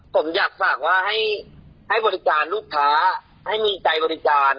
ผมอยากฝากว่าให้บริการลูกค้าให้มีใจบริการ